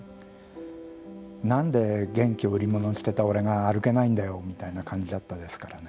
なんで元気を売り物にしていた俺が歩けないんだよみたいな感じだったですから。